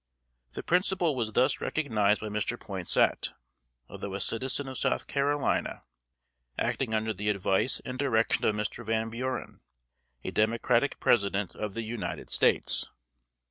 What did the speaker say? The principle was thus recognized by Mr. Poinsett, although a citizen of South Carolina, acting under the advice and direction of Mr. Van Buren, a Democratic President of the United States.